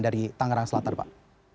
dari tanggerang selatan pak